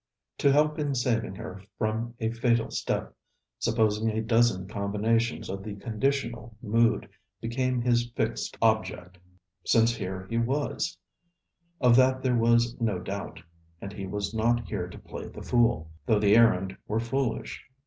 To help in saving her from a fatal step, supposing a dozen combinations of the conditional mood, became his fixed object, since here he was of that there was no doubt; and he was not here to play the fool, though the errand were foolish.